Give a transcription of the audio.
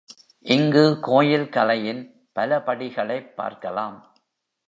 இங்கு கோயில் கலையின் பலபடிகளைப் பார்க்கலாம்.